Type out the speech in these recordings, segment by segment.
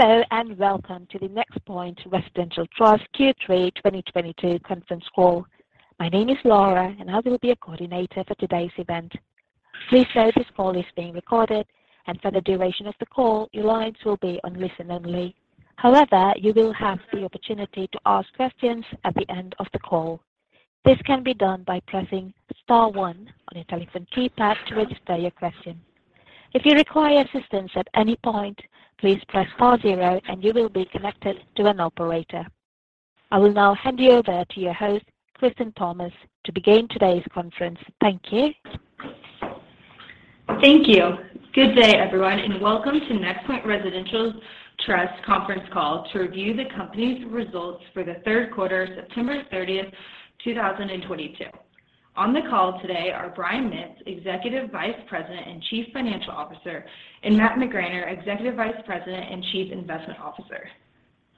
Hello, and welcome to the NexPoint Residential Trust Q3 2022 Conference Call. My name is Laura, and I will be your coordinator for today's event. Please note this call is being recorded, and for the duration of the call, your lines will be on listen only. However, you will have the opportunity to ask questions at the end of the call. This can be done by pressing star one on your telephone keypad to register your question. If you require assistance at any point, please press star zero and you will be connected to an operator. I will now hand you over to your host, Kristen Thomas, to begin today's conference. Thank you. Thank you. Good day, everyone, and welcome to NexPoint Residential Trust Conference Call to review the company's results for the third quarter, September 30, 2022. On the call today are Brian Mitts, Executive Vice President and Chief Financial Officer, and Matt McGraner, Executive Vice President and Chief Investment Officer.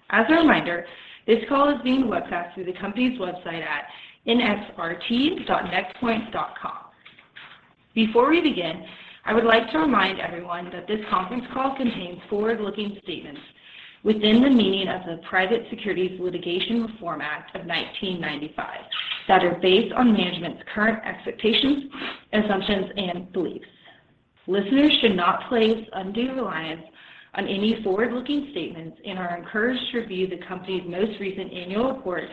As a reminder, this call is being webcast through the company's website at nxrt.nexpoint.com. Before we begin, I would like to remind everyone that this conference call contains forward-looking statements within the meaning of the Private Securities Litigation Reform Act of 1995, that are based on management's current expectations, assumptions, and beliefs. Listeners should not place undue reliance on any forward-looking statements and are encouraged to review the company's most recent annual report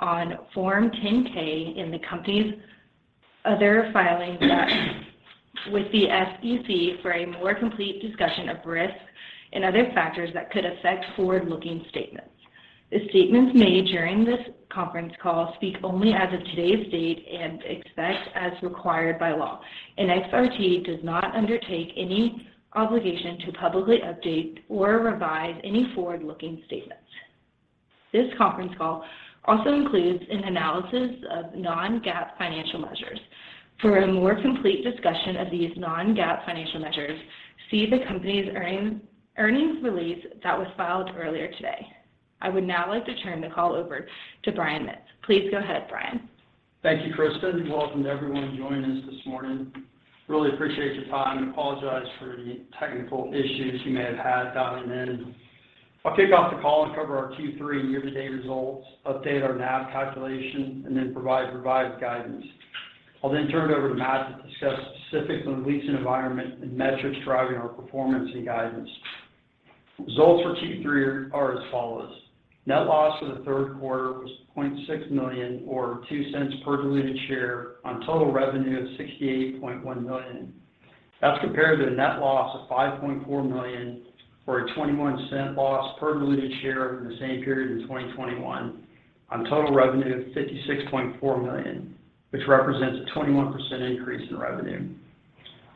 on Form 10-K in the company's other filings with the SEC for a more complete discussion of risks and other factors that could affect forward-looking statements. The statements made during this conference call speak only as of today's date and except as required by law. NXRT does not undertake any obligation to publicly update or revise any forward-looking statements. This conference call also includes an analysis of non-GAAP financial measures. For a more complete discussion of these non-GAAP financial measures, see the company's earnings release that was filed earlier today. I would now like to turn the call over to Brian Mitts. Please go ahead, Brian. Thank you, Kristen. Welcome to everyone joining us this morning. Really appreciate your time, and apologize for any technical issues you may have had dialing in. I'll kick off the call and cover our Q3 year-to-date results, update our NAV calculation, and then provide revised guidance. I'll then turn it over to Matt to discuss specifics on the leasing environment and metrics driving our performance and guidance. Results for Q3 are as follows. Net loss for the third quarter was $0.6 million, or $0.02 per diluted share on total revenue of $68.1 million. That's compared to the net loss of $5.4 million, or a $0.21 loss per diluted share in the same period in 2021 on total revenue of $56.4 million, which represents a 21% increase in revenue.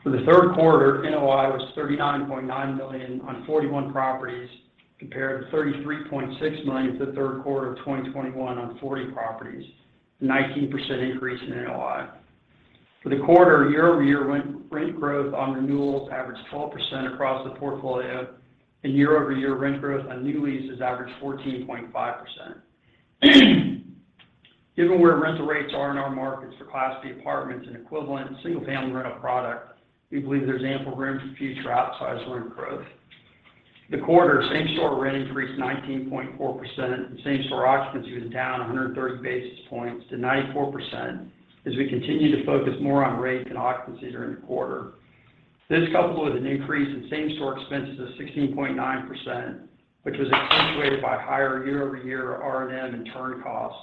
For the third quarter, NOI was $39.9 million on 41 properties, compared to $33.6 million for the third quarter of 2021 on 40 properties, 19% increase in NOI. For the quarter, year-over-year rent growth on renewals averaged 12% across the portfolio, and year-over-year rent growth on new leases averaged 14.5%. Given where rental rates are in our markets for class B apartments and equivalent single-family rental product, we believe there's ample room for future outsized rent growth. The quarter same-store rent increased 19.4%, and same-store occupancy was down 130 basis points to 94% as we continue to focus more on rate than occupancy during the quarter. This, coupled with an increase in same-store expenses of 16.9%, which was accentuated by higher year-over-year R&M and turn costs,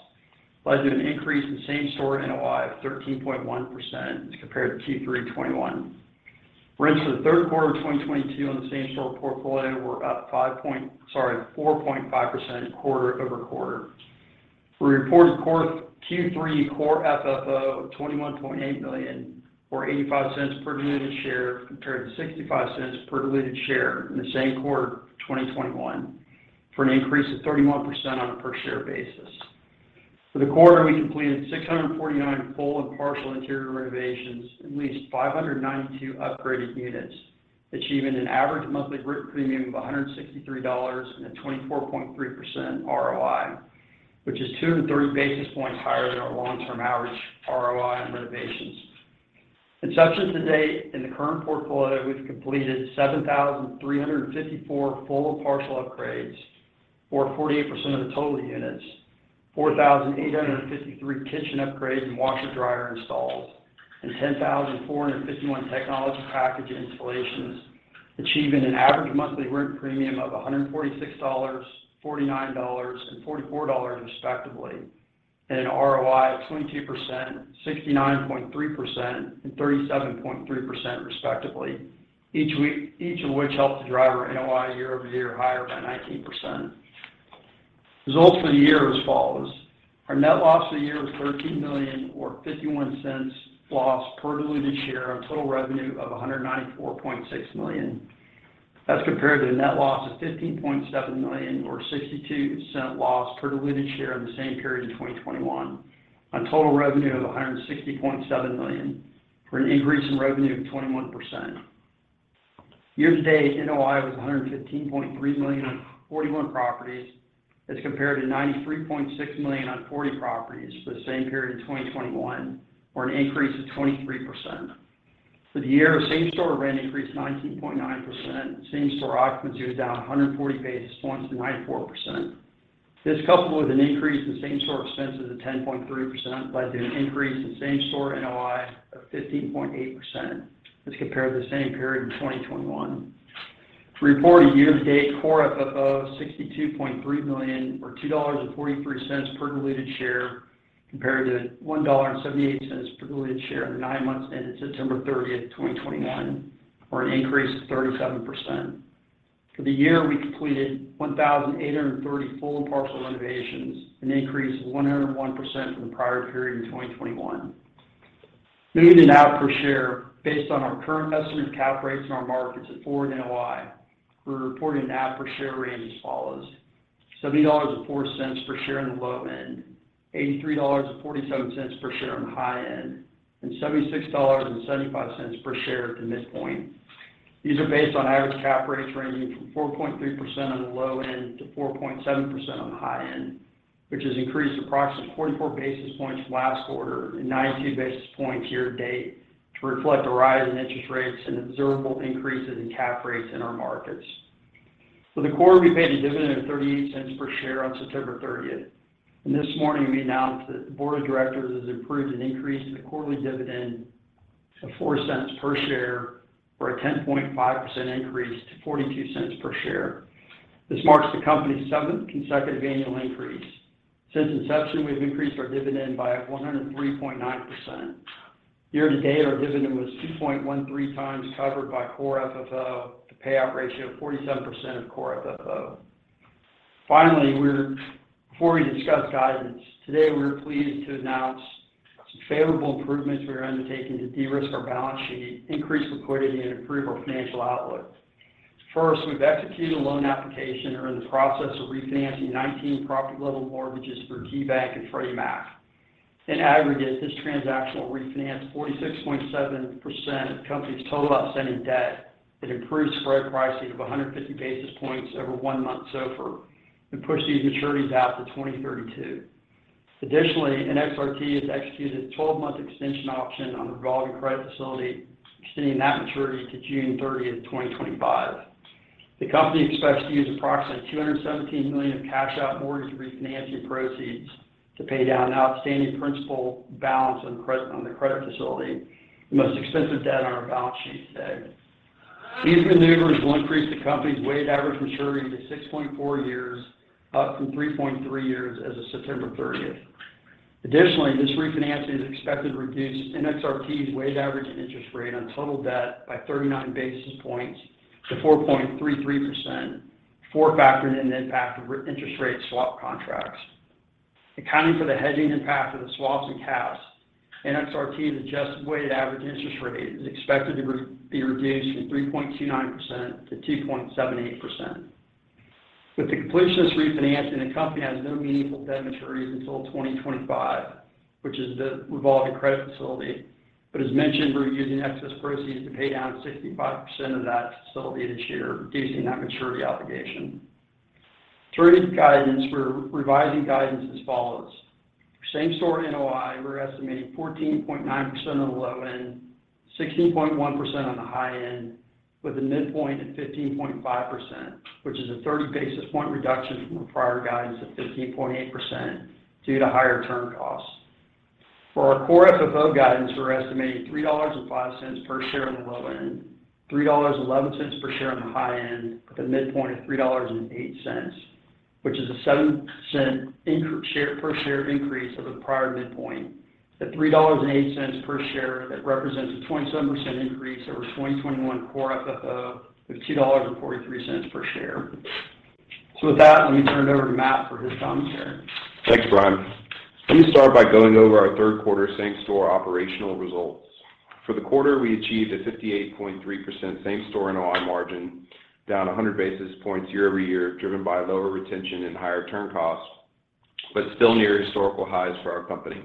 led to an increase in same-store NOI of 13.1% as compared to Q3 2021. Rents for the third quarter of 2022 on the same-store portfolio were up 4.5% quarter-over-quarter. We reported Q3 core FFO of $21.8 million, or $0.85 per diluted share, compared to $0.65 per diluted share in the same quarter of 2021, for an increase of 31% on a per-share basis. For the quarter, we completed 649 full and partial interior renovations and leased 592 upgraded units, achieving an average monthly rent premium of $163 and a 24.3% ROI, which is2 basis points to 3 basis points higher than our long-term average ROI on renovations. Subject to date, in the current portfolio, we've completed 7,354 full or partial upgrades, or 48% of the total units, 4,853 kitchen upgrades and washer/dryer installs, and 10,451 technology package installations, achieving an average monthly rent premium of $146, $49, and $44 respectively, and an ROI of 22%, 69.3%, and 37.3% respectively, each of which helped to drive our NOI year-over-year higher by 19%. Results for the year as follows. Our net loss for the year was $13 million or $0.51 loss per diluted share on total revenue of $194.6 million. That's compared to the net loss of $15.7 million or $0.62 loss per diluted share in the same period in 2021 on total revenue of $160.7 million for an increase in revenue of 21%. Year to date, NOI was $115.3 million on 41 properties as compared to $93.6 million on 40 properties for the same period in 2021, or an increase of 23%. For the year, same-store rent increased 19.9%. Same-store occupancy was down 140 basis points to 94%. This, coupled with an increase in same-store expenses of 10.3%, led to an increase in same-store NOI of 15.8% as compared to the same period in 2021. To report a year-to-date Core FFO of $62.3 million or $2.43 per diluted share compared to $1.78 per diluted share in the nine months ended September 30, 2021, or an increase of 37%. For the year, we completed 1,830 full and partial renovations, an increase of 101% from the prior period in 2021. Moving to NAV per share, based on our current estimate of cap rates in our markets and forward NOI, we're reporting NAV per share range as follows. $70.04 per share on the low end, $83.47 per share on the high end, and $76.75 per share at the midpoint. These are based on average cap rates ranging from 4.3% on the low end to 4.7% on the high end, which has increased approximately 44 basis points from last quarter and 92 basis points year-to-date to reflect the rise in interest rates and observable increases in cap rates in our markets. For the quarter, we paid a dividend of $0.38 per share on September 30. This morning, we announced that the board of directors has approved an increase in the quarterly dividend of $0.04 per share, or a 10.5% increase to $0.42 per share. This marks the company's seventh consecutive annual increase. Since inception, we've increased our dividend by 103.9%. Year to date, our dividend was 2.13x covered by Core FFO with a payout ratio of 47% of Core FFO. Finally, before we discuss guidance, today, we're pleased to announce some favorable improvements we are undertaking to de-risk our balance sheet, increase liquidity, and improve our financial outlook. First, we've executed a loan application and are in the process of refinancing 19 property-level mortgages through KeyBank and Freddie Mac. In aggregate, this transaction will refinance 46.7% of the company's total outstanding debt at improved spread pricing of 150 basis points over one-month SOFR and push these maturities out to 2032. Additionally, NXRT has executed a 12-month extension option on the revolving credit facility, extending that maturity to June 30th, 2025. The company expects to use approximately $217 million of cash-out mortgage refinancing proceeds to pay down the outstanding principal balance on the credit facility, the most expensive debt on our balance sheet today. These maneuvers will increase the company's weighted average maturity to 6.4 years, up from 3.3 years as of September 30. Additionally, this refinancing is expected to reduce NXRT's weighted average interest rate on total debt by 39 basis points to 4.33% before factoring in the impact of interest rate swap contracts. Accounting for the hedging impact of the swaps and caps, NXRT's adjusted weighted average interest rate is expected to be reduced from 3.29% to 2.78%. With the completion of this refinancing, the company has no meaningful debt maturities until 2025, which is the revolving credit facility. As mentioned, we're using excess proceeds to pay down 65% of that facility this year, reducing that maturity obligation. Turning to guidance, we're revising guidance as follows. Same-store NOI, we're estimating 14.9% on the low end, 16.1% on the high end, with a midpoint of 15.5%, which is a 30 basis point reduction from the prior guidance of 15.8% due to higher turn costs. For our Core FFO guidance, we're estimating $3.05 per share on the low end, $3.11 per share on the high end, with a midpoint of $3.08, which is a $0.07 per share increase over the prior midpoint. At $3.08 per share, that represents a 27% increase over 2021 Core FFO of $2.43 per share. With that, let me turn it over to Matt for his commentary. Thanks, Brian. Let me start by going over our third quarter same-store operational results. For the quarter, we achieved a 58.3% same-store NOI margin, down 100 basis points year-over-year, driven by lower retention and higher turn costs, but still near historical highs for our company.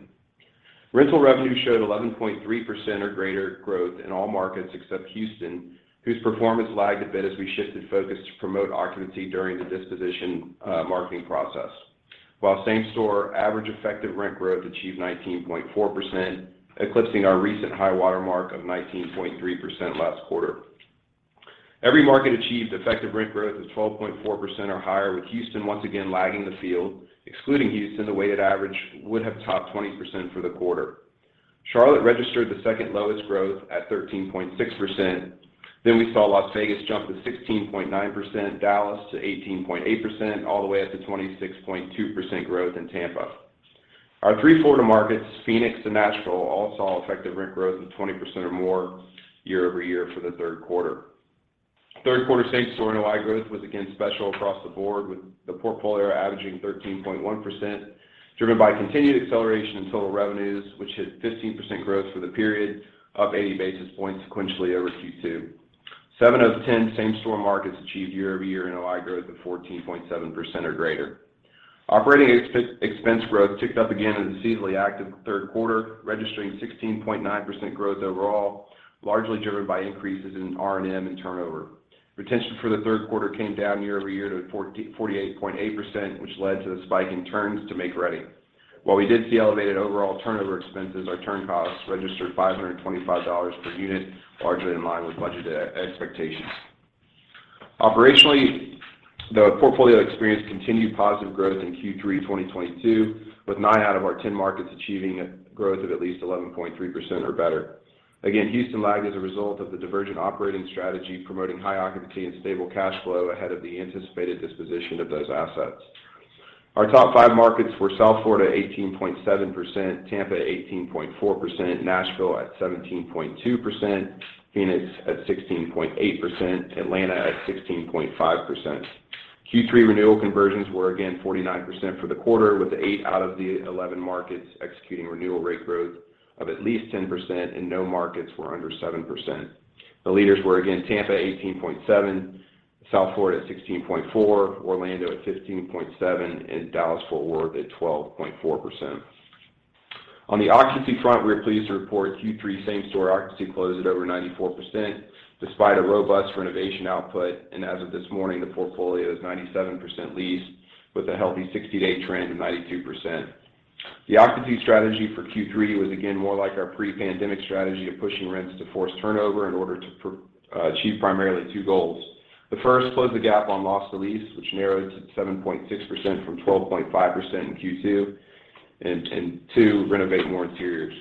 Rental revenue showed 11.3% or greater growth in all markets except Houston, whose performance lagged a bit as we shifted focus to promote occupancy during the disposition, marketing process. While same-store average effective rent growth achieved 19.4%, eclipsing our recent high-water mark of 19.3% last quarter. Every market achieved effective rent growth of 12.4% or higher, with Houston once again lagging the field. Excluding Houston, the weighted average would have topped 20% for the quarter. Charlotte registered the second lowest growth at 13.6%. We saw Las Vegas jump to 16.9%, Dallas to 18.8%, all the way up to 26.2% growth in Tampa. Our three-quarter markets, Phoenix and Nashville, all saw effective rent growth of 20% or more year-over-year for the third quarter. Third quarter same-store NOI growth was again special across the board, with the portfolio averaging 13.1%, driven by continued acceleration in total revenues, which hit 15% growth for the period, up 80 basis points sequentially over Q2. Seven out of ten same-store markets achieved year-over-year NOI growth of 14.7% or greater. Operating expense growth ticked up again in the seasonally active third quarter, registering 16.9% growth overall, largely driven by increases in R&M and turnover. Retention for the third quarter came down year over year to 48.8%, which led to the spike in turns to make ready. While we did see elevated overall turnover expenses, our turn costs registered $525 per unit, largely in line with budgeted expectations. Operationally, the portfolio experienced continued positive growth in Q3 2022, with nine out of our 10 markets achieving a growth of at least 11.3% or better. Again, Houston lagged as a result of the divergent operating strategy, promoting high occupancy and stable cash flow ahead of the anticipated disposition of those assets. Our top five markets were South Florida, 18.7%; Tampa, 18.4%; Nashville at 17.2%; Phoenix at 16.8%; Atlanta at 16.5%. Q3 renewal conversions were again 49% for the quarter, with eight out of the eleven markets executing renewal rate growth of at least 10% and no markets were under 7%. The leaders were again Tampa at 18.7, South Florida at 16.4, Orlando at 15.7, and Dallas-Fort Worth at 12.4%. On the occupancy front, we're pleased to report Q3 same-store occupancy closed at over 94% despite a robust renovation output. As of this morning, the portfolio is 97% leased with a healthy sixty-day trend of 92%. The occupancy strategy for Q3 was again more like our pre-pandemic strategy of pushing rents to force turnover in order to achieve primarily two goals. The first, close the gap on loss to lease, which narrowed to 7.6% from 12.5% in Q2. Two, renovate more interiors.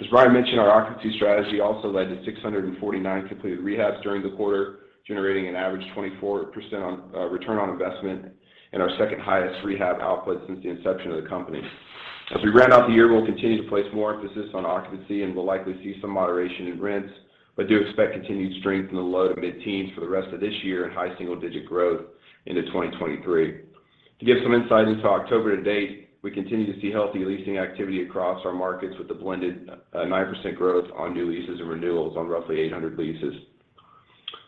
As Brian mentioned, our occupancy strategy also led to 649 completed rehabs during the quarter, generating an average 24% on return on investment and our second-highest rehab output since the inception of the company. As we round out the year, we'll continue to place more emphasis on occupancy, and we'll likely see some moderation in rents, but do expect continued strength in the low- to mid-teens for the rest of this year and high single-digit growth into 2023. To give some insight into October to date, we continue to see healthy leasing activity across our markets with a blended 9% growth on new leases and renewals on roughly 800 leases.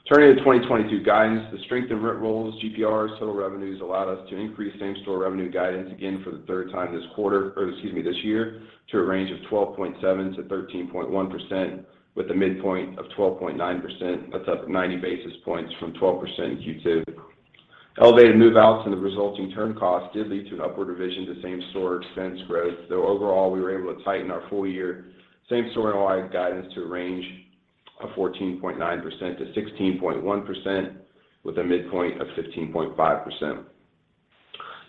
Turning to 2022 guidance. The strength in rent rolls, GPRs, total revenues allowed us to increase same-store revenue guidance again for the third time this year to a range of 12.7%-13.1% with a midpoint of 12.9%. That's up ninety basis points from 12% in Q2. Elevated move-outs and the resulting turn costs did lead to an upward revision to same-store expense growth, though overall, we were able to tighten our full-year same-store NOI guidance to a range of 14.9%-16.1% with a midpoint of 15.5%.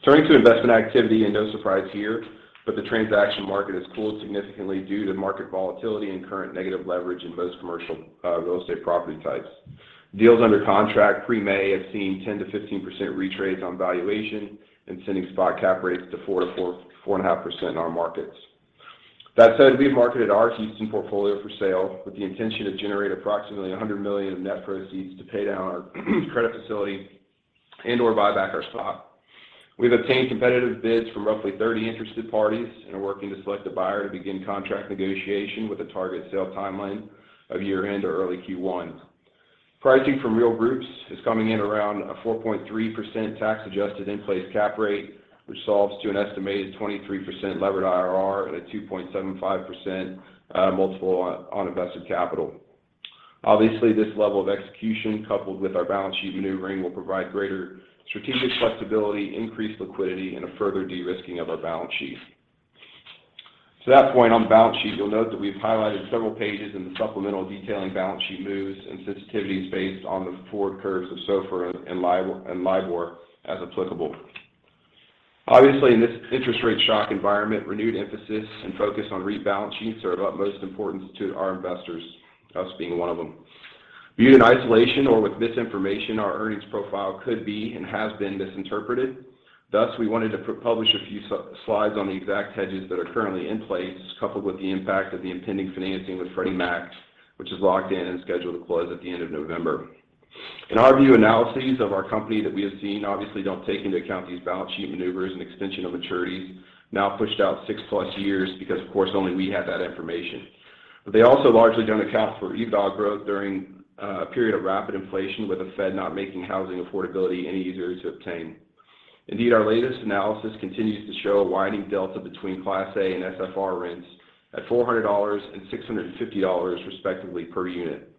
Turning to investment activity, no surprise here, but the transaction market has cooled significantly due to market volatility and current negative leverage in most commercial real estate property types. Deals under contract pre-May have seen 10%-15% retrades on valuation and sending spot cap rates to 4%, 4.5% in our markets. That said, we've marketed our Houston portfolio for sale with the intention to generate approximately $100 million of net proceeds to pay down our credit facility and/or buy back our stock. We've obtained competitive bids from roughly 30 interested parties and are working to select a buyer to begin contract negotiation with a target sale timeline of year-end or early Q1. Pricing from real groups is coming in around a 4.3% tax-adjusted in-place cap rate, which solves to an estimated 23% levered IRR at a 2.75x multiple on invested capital. Obviously, this level of execution, coupled with our balance sheet maneuvering, will provide greater strategic flexibility, increased liquidity, and a further de-risking of our balance sheet. To that point, on the balance sheet, you'll note that we've highlighted several pages in the supplemental detailing balance sheet moves and sensitivities based on the forward curves of SOFR and LIBOR as applicable. Obviously, in this interest rate shock environment, renewed emphasis and focus on rebalancing balance sheets are of utmost importance to our investors, us being one of them. Viewed in isolation or with misinformation, our earnings profile could be and has been misinterpreted. Thus, we wanted to publish a few slides on the exact hedges that are currently in place, coupled with the impact of the impending financing with Freddie Mac, which is locked in and scheduled to close at the end of November. In our view, analyses of our company that we have seen obviously don't take into account these balance sheet maneuvers and extension of maturities now pushed out six plus years because, of course, only we have that information. They also largely don't account for EBITDA growth during a period of rapid inflation, with the Fed not making housing affordability any easier to obtain. Indeed, our latest analysis continues to show a widening delta between class A and SFR rents at $400 and $650, respectively, per unit.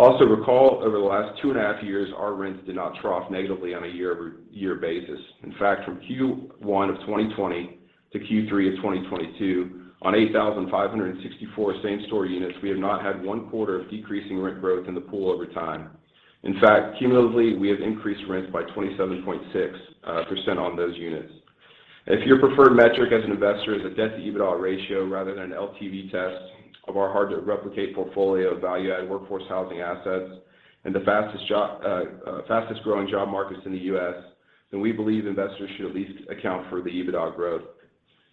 Recall, over the last two and a half years, our rents did not trough negatively on a year-over-year basis. In fact, from Q1 of 2020 to Q3 of 2022, on 8,564 same-store units, we have not had one quarter of decreasing rent growth in the pool over time. In fact, cumulatively, we have increased rents by 27.6% on those units. If your preferred metric as an investor is a debt-to-EBITDA ratio rather than an LTV test of our hard-to-replicate portfolio of value-add workforce housing assets in the fastest-growing job markets in the U.S., then we believe investors should at least account for the EBITDA growth.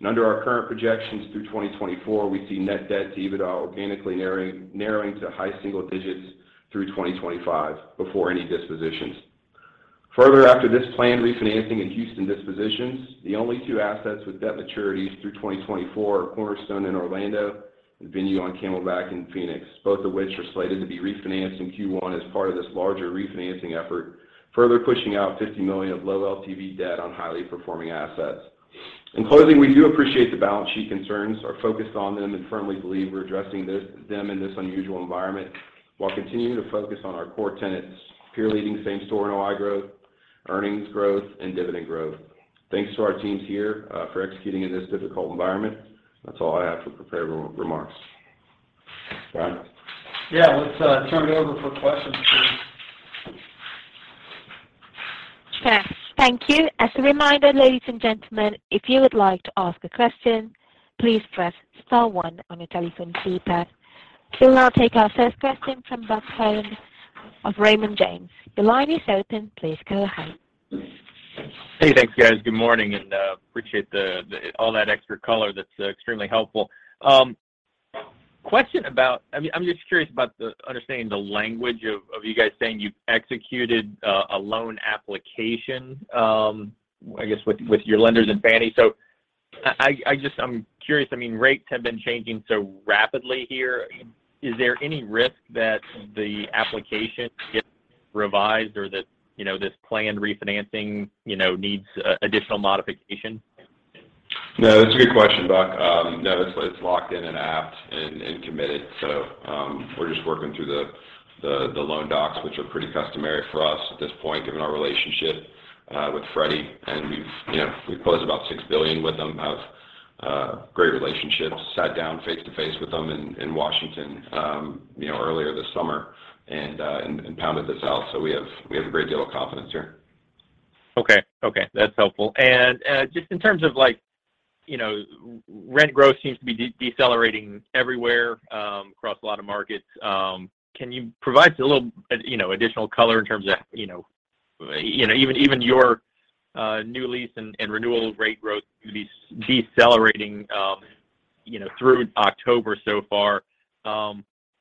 Under our current projections through 2024, we see net debt-to-EBITDA organically narrowing to high single digits through 2025 before any dispositions. Further, after this planned refinancing and Houston dispositions, the only two assets with debt maturities through 2024 are Cornerstone in Orlando and Venue on Camelback in Phoenix, both of which are slated to be refinanced in Q1 as part of this larger refinancing effort, further pushing out $50 million of low LTV debt on highly performing assets. In closing, we do appreciate the balance sheet concerns, are focused on them, and firmly believe we're addressing them in this unusual environment while continuing to focus on our core tenets, peer-leading same-store NOI growth, earnings growth, and dividend growth. Thanks to our teams here for executing in this difficult environment. That's all I have for prepared remarks. Yeah. Let's turn it over for questions, please. Sure. Thank you. As a reminder, ladies and gentlemen, if you would like to ask a question, please press star one on your telephone keypad. We'll now take our first question from Buck Horne of Raymond James. Your line is open. Please go ahead. Hey, thanks, guys. Good morning. Appreciate all that extra color. That's extremely helpful. Question about understanding the language of you guys saying you've executed a loan application, I guess with your lenders and Fannie. I'm curious, I mean, rates have been changing so rapidly here. Is there any risk that the application gets revised or that, you know, this planned refinancing, you know, needs additional modification? No, that's a good question, Buck. No, it's locked in and committed. We're just working through the loan docs, which are pretty customary for us at this point, given our relationship with Freddie. We've closed about $6 billion with them, have great relationships. Sat down face-to-face with them in Washington earlier this summer and pounded this out. We have a great deal of confidence here. Okay. Okay, that's helpful. Just in terms of like, you know, rent growth seems to be decelerating everywhere, across a lot of markets. Can you provide a little, you know, additional color in terms of, you know, even your new lease and renewal rate growth to be decelerating, you know, through October so far?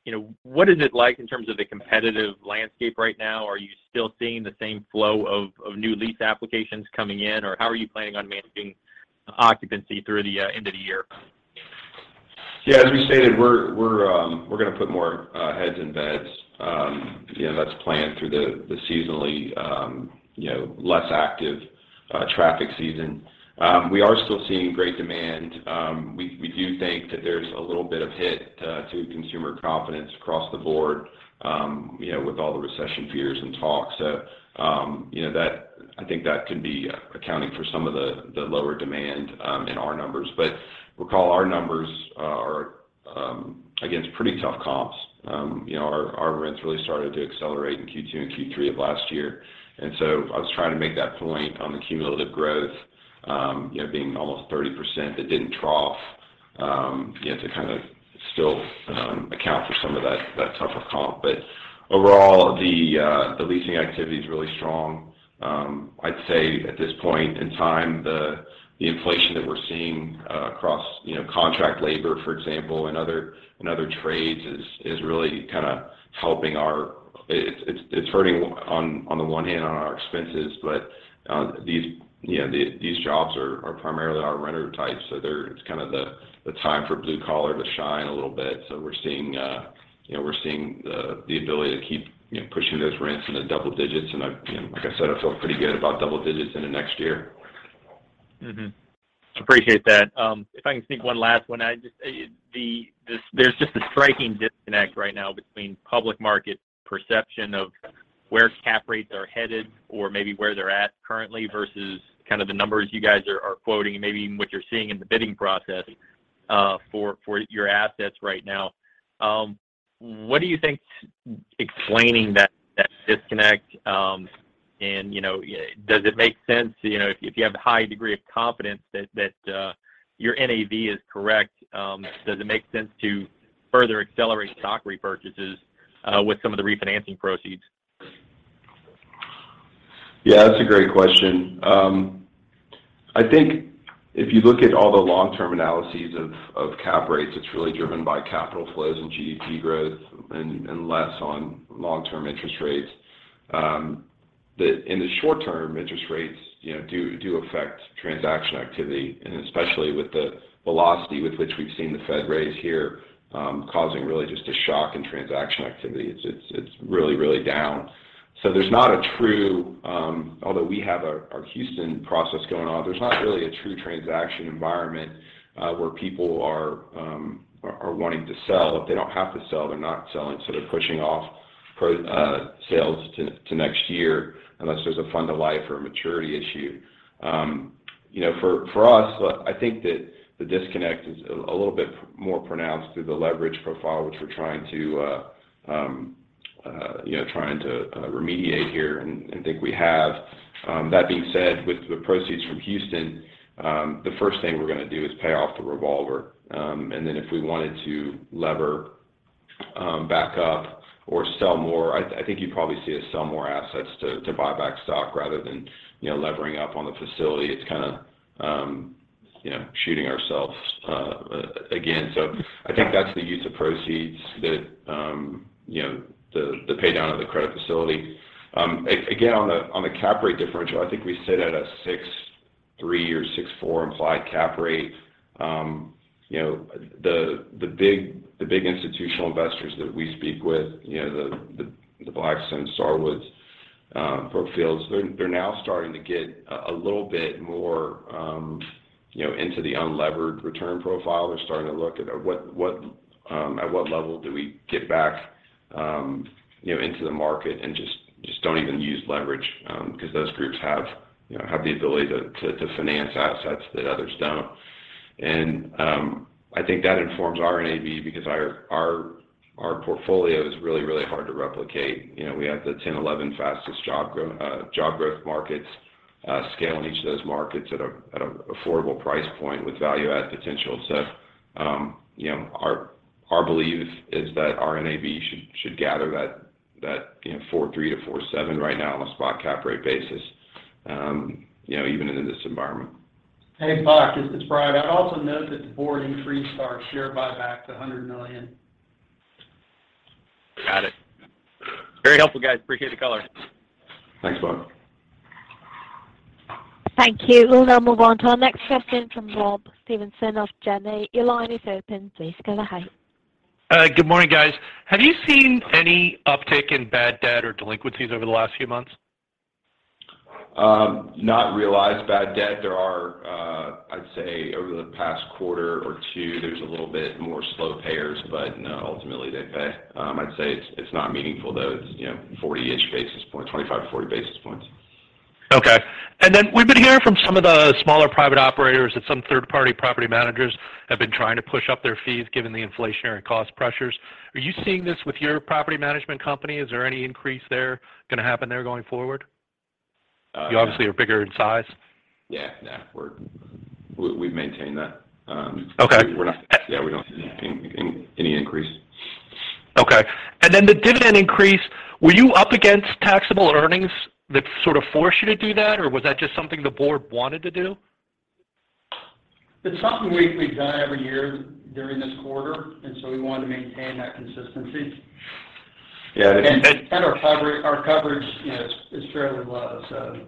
You know, what is it like in terms of the competitive landscape right now? Are you still seeing the same flow of new lease applications coming in, or how are you planning on managing occupancy through the end of the year? As we stated, we're gonna put more heads in beds. You know, that's planned through the seasonally less active traffic season. We are still seeing great demand. We do think that there's a little bit of hit to consumer confidence across the board, you know, with all the recession fears and talk. You know, I think that could be accounting for some of the lower demand in our numbers. Recall our numbers are against pretty tough comps. You know, our rents really started to accelerate in Q2 and Q3 of last year. I was trying to make that point on the cumulative growth, you know, being almost 30%, it didn't trough, you know, to kind of still account for some of that tougher comp. Overall, the leasing activity is really strong. I'd say at this point in time, the inflation that we're seeing across, you know, contract labor, for example, and other trades is really kind of helping our. It's hurting on the one hand on our expenses, but these, you know, these jobs are primarily our renter types, so they're. It's kind of the time for blue collar to shine a little bit. We're seeing, you know, we're seeing the ability to keep, you know, pushing those rents in the double digits. I've...You know, like I said, I feel pretty good about double digits in the next year. Appreciate that. If I can sneak one last one. There's just a striking disconnect right now between public market perception of where cap rates are headed or maybe where they're at currently versus kind of the numbers you guys are quoting and maybe even what you're seeing in the bidding process for your assets right now. What do you think's explaining that disconnect? You know, does it make sense, you know, if you have a high degree of confidence that your NAV is correct, does it make sense to further accelerate stock repurchases with some of the refinancing proceeds? Yeah, that's a great question. I think if you look at all the long-term analyses of cap rates, it's really driven by capital flows and GDP growth and less on long-term interest rates. In the short term, interest rates, you know, do affect transaction activity, and especially with the velocity with which we've seen the Fed raise here, causing really just a shock in transaction activity. It's really down. There's not a true transaction environment, although we have our Houston process going on, where people are wanting to sell. If they don't have to sell, they're not selling, so they're pushing off sales to next year unless there's a fund to life or a maturity issue. You know, for us, I think that the disconnect is a little bit more pronounced through the leverage profile, which we're trying to remediate here, and think we have. That being said, with the proceeds from Houston, the first thing we're gonna do is pay off the revolver. If we wanted to lever back up or sell more, I think you'd probably see us sell more assets to buy back stock rather than, you know, levering up on the facility. It's kind of, you know, shooting ourselves again. I think that's the use of proceeds, the pay down of the credit facility. Again, on the cap rate differential, I think we sit at a 6.3 or 6.4 implied cap rate. You know, the big institutional investors that we speak with, you know, the Blackstone, Starwood, Brookfield, they're now starting to get a little bit more, you know, into the unlevered return profile. They're starting to look at what level do we get back into the market and just don't even use leverage, because those groups have, you know, the ability to finance assets that others don't. I think that informs our NAV because our portfolio is really hard to replicate. You know, we have the 10, 11 fastest job growth markets, scale in each of those markets at a affordable price point with value add potential. Our belief is that our NAV should gather that 4.3-4.7 right now on a spot cap rate basis, even in this environment. Hey, Buck, it's Brian. I'd also note that the board increased our share buyback to $100 million. Got it. Very helpful, guys. Appreciate the color. Thanks, Buck. Thank you. We'll now move on to our next question from Rob Stevenson of Janney. Your line is open. Please go ahead. Good morning, guys. Have you seen any uptick in bad debt or delinquencies over the last few months? Not realized bad debt. There are, I'd say over the past quarter or two, there's a little bit more slow payers, but no, ultimately they pay. I'd say it's not meaningful, though. It's, you know, 40-ish basis points, 25 basis points to 40 basis points. Okay. Then we've been hearing from some of the smaller private operators that some third-party property managers have been trying to push up their fees given the inflationary cost pressures. Are you seeing this with your property management company? Is there any increase there gonna happen there going forward? You obviously are bigger in size. Yeah. Yeah. We've maintained that. Okay. We don't see any increase. Okay. The dividend increase, were you up against taxable earnings that sort of forced you to do that, or was that just something the board wanted to do? It's something we've done every year during this quarter, and so we wanted to maintain that consistency. Yeah. Our coverage, you know, is fairly low, so.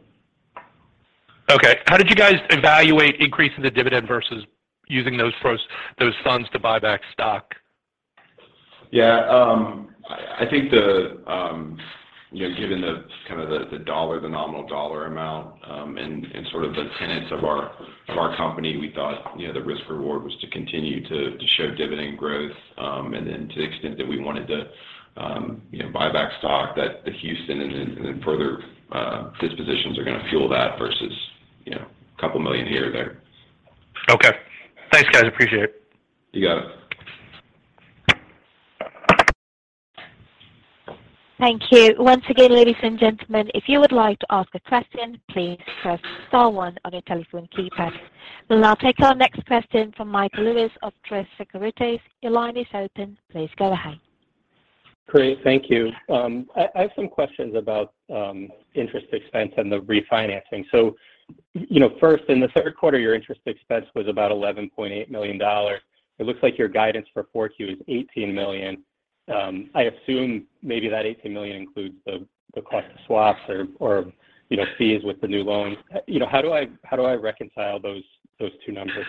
Okay. How did you guys evaluate increasing the dividend versus using those funds to buy back stock? Yeah. I think you know, given the dollar, the nominal dollar amount, and sort of the tenets of our company, we thought you know, the risk reward was to continue to show dividend growth. To the extent that we wanted to you know, buy back stock that the Houston and then further dispositions are gonna fuel that versus you know, a couple million here or there. Okay. Thanks, guys. Appreciate it. You got it. Thank you. Once again, ladies and gentlemen, if you would like to ask a question, please press star one on your telephone keypad. We'll now take our next question from Michael Lewis of Truist Securities. Your line is open. Please go ahead. Great. Thank you. I have some questions about interest expense and the refinancing. You know, first, in the third quarter, your interest expense was about $11.8 million. It looks like your guidance for 4Q is $18 million. I assume maybe that $18 million includes the cost of swaps or, you know, fees with the new loans. You know, how do I reconcile those two numbers?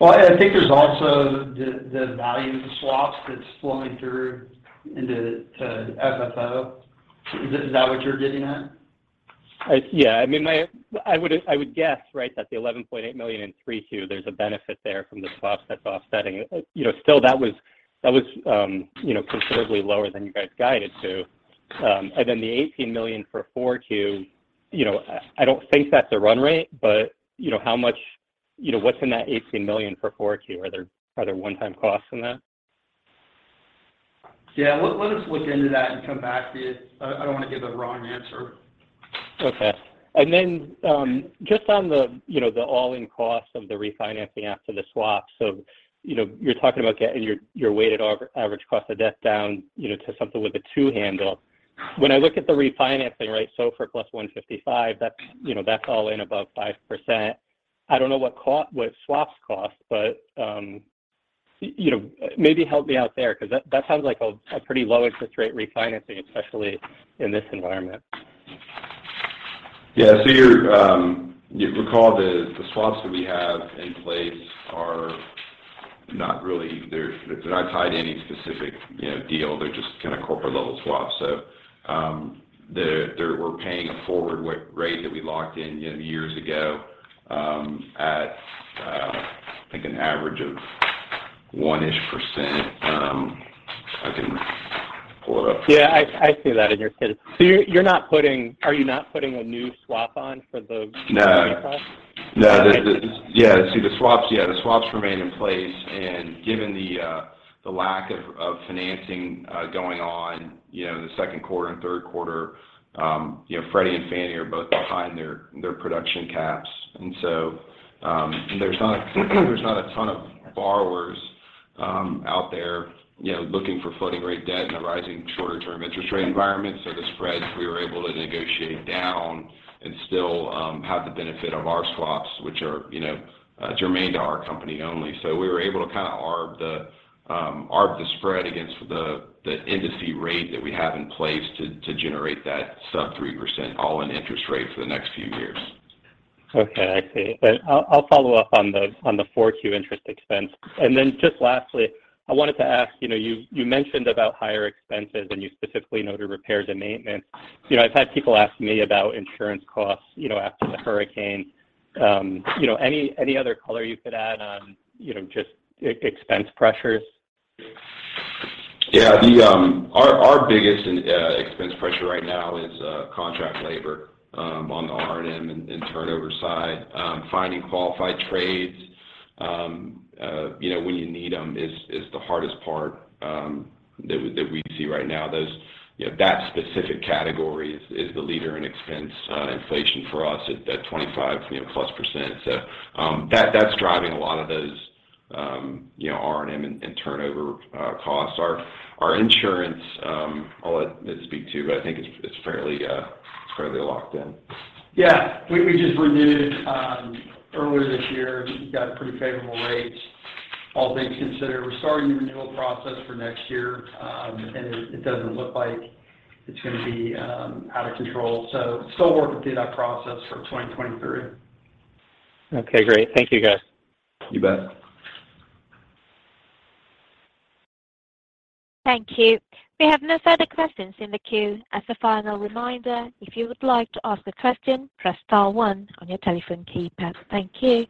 Well, I think there's also the value of the swaps that's flowing through into FFO. Is that what you're getting at? Yeah. I mean, I would guess, right, that the $11.8 million in 3Q, there's a benefit there from the swaps that's offsetting. You know, still that was, you know, considerably lower than you guys guided to. Then the $18 million for 4Q, you know, I don't think that's a run rate, but you know, what's in that $18 million for 4Q? Are there one-time costs in that? Yeah. Let us look into that and come back to you. I don't wanna give a wrong answer. Okay. Just on the, you know, the all-in cost of the refinancing after the swap. You're talking about getting your weighted average cost of debt down, you know, to something with a two handle. When I look at the refinancing rate, SOFR plus 155, that's, you know, that's all in above 5%. I don't know what swaps cost, but, you know, maybe help me out there because that sounds like a pretty low interest rate refinancing, especially in this environment. Yeah. You recall the swaps that we have in place are not tied to any specific, you know, deal. They're just kind of corporate level swaps. We're paying a forward swap rate that we locked in, you know, years ago, at I think an average of 1-ish%. I can pull it up. Yeah. I see that in your kids. Are you not putting a new swap on for the? No. -refi? The swaps remain in place, and given the lack of financing going on, you know, in the second quarter and third quarter, you know, Freddie and Fannie are both behind their production caps. There's not a ton of borrowers out there, you know, looking for floating rate debt in a rising shorter term interest rate environment. The spreads we were able to negotiate down and still have the benefit of our swaps, which are, you know, germane to our company only. We were able to kinda arb the spread against the industry rate that we have in place to generate that sub-3% all-in interest rate for the next few years. Okay, I see. I'll follow up on the 4Q interest expense. Then just lastly, I wanted to ask, you know, you mentioned about higher expenses, and you specifically noted repairs and maintenance. You know, I've had people ask me about insurance costs, you know, after the hurricane. You know, any other color you could add on, you know, just expense pressures? Our biggest expense pressure right now is contract labor on the R&M and turnover side. Finding qualified trades you know when you need them is the hardest part that we see right now. Those you know that specific category is the leader in expense inflation for us at that 25+%. That's driving a lot of those you know R&M and turnover costs. Our insurance I'll let Brian Mitts speak to, but I think it's fairly locked in. Yeah. We just renewed earlier this year. We've got pretty favorable rates, all things considered. We're starting the renewal process for next year, and it doesn't look like it's gonna be out of control, so still working through that process for 2023. Okay, great. Thank you, guys. You bet. Thank you. We have no further questions in the queue. As a final reminder, if you would like to ask a question, press star one on your telephone keypad. Thank you.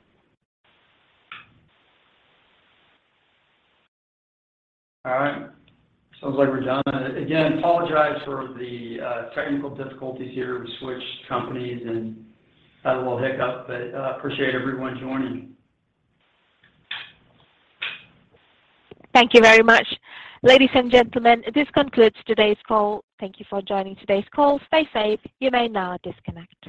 All right. Sounds like we're done. Again, apologize for the technical difficulties here. We switched companies and had a little hiccup but appreciate everyone joining. Thank you very much. Ladies and gentlemen, this concludes today's call. Thank you for joining today's call. Stay safe. You may now disconnect.